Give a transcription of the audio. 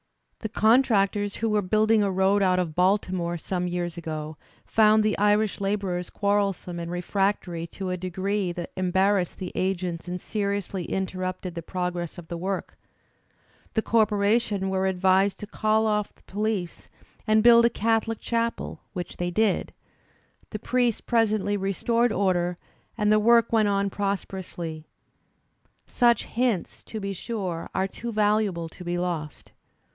The contractors who were building a road out of Baltimore, some years ago, found the Irish labourers quarrelsome and refractory to a degree that embarrassed the agents and seriously interrupted the prog ress of the work. The corporation were advised to call oflF the police and build a Catholic chapel, which they did; the priest presently restored order, and the work went on pros perously. Such hints, be sure, are too valuable to be lost.